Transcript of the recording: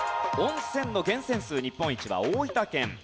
温泉の源泉数日本一は大分県。